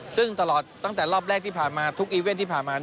ซึ่งตลอดตั้งแต่รอบแรกที่ผ่านมาทุกอีเว่นที่ผ่านมา